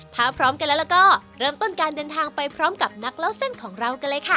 ถ้าพร้อมกันแล้วก็เริ่มต้นการเดินทางไปพร้อมกับนักเล่าเส้นของเรากันเลยค่ะ